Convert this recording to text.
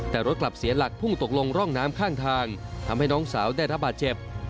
แต่รถกลับเสียหลักพุ่งตกลงร่องน้ำข้างทางทำให้น้องสาวได้รับบาดเจ็บ